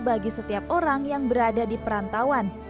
bagi setiap orang yang berada di perantauan